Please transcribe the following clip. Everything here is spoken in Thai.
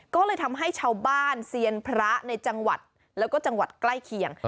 ก็เลยทำให้ชาวบ้านเซียนพระในจังหวัดแล้วก็จังหวัดใกล้เคียง